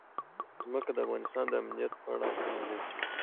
ځمکه د افغانستان د امنیت په اړه هم اغېز لري.